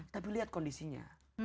tapi lihat kondisinya